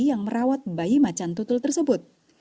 yang merawat bayi macan tutul tersebut